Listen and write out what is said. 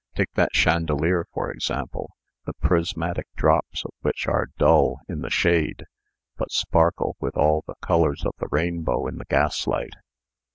Take that chandelier, for example, the prismatic drops of which are dull in the shade, but sparkle with all the colors of the rainbow in the gaslight.